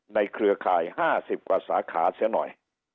เครือข่าย๕๐กว่าสาขาเสียหน่อย